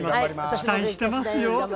期待してますよ。